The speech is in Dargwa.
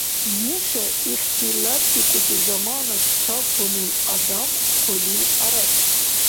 Нуша ихтилатдикӀуси замана ца хьунул адам хъули арацӀиб.